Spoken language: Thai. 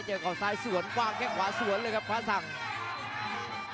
เจอกล่องซ้ายส่วนว่างแค่ขวาส่วนเลยครับพระสังค์